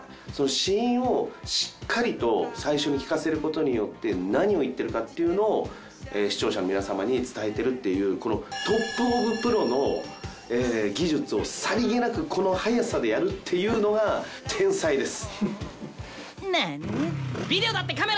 子音をしっかりと最初に聞かせる事によって何を言ってるかっていうのを視聴者の皆様に伝えてるっていうトップオブプロの技術をさりげなくこの早さでやるっていうのが天才です。